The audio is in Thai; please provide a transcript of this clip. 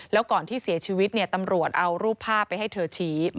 แล้วก่อนที่เสียชีวิตตำรวจเอารูปภาพไปให้เธอชี้